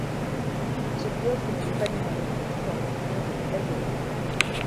Ce qui offre une vue panoramique extraordinaire de la Gallura..